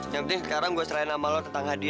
yang penting sekarang gue serahin sama lu tentang hadiah